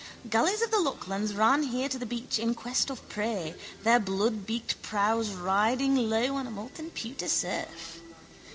Galleys of the Lochlanns ran here to beach, in quest of prey, their bloodbeaked prows riding low on a molten pewter surf.